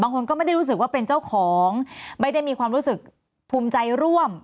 คนก็ไม่ได้รู้สึกว่าเป็นเจ้าของไม่ได้มีความรู้สึกภูมิใจร่วม